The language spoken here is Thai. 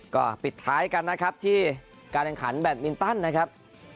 ก็ปิดท้ายกันนะครับที่การแข่งขันแบตมินตันนะครับ